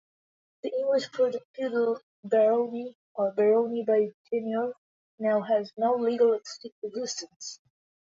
The English feudal barony, or "barony by tenure", now has no legal existence.